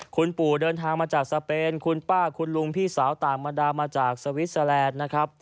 คุณปู่เดินทางมาจากสเปนคุณป้าคุณลุงพี่สาวต่างบรรดามาจากสวิสเตอร์แลนด์นะครับ